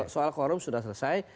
soal korup sudah selesai